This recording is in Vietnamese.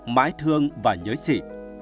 mãi thương và nhớ chị